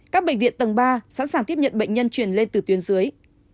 các bệnh viện tầng ba sẵn sàng tiếp nhận bệnh nhân chuyển lên từ tuyến dưới